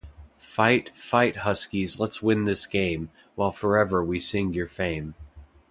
Fight, fight Huskies let's win this game, while forever we sing your fame.